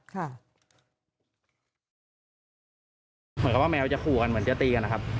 เหมือนกับว่าแมวจะขู่กันเหมือนจะตีกันนะครับ